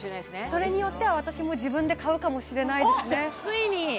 それによっては私も自分で買うかもしれないですね